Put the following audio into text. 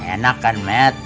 enak kan met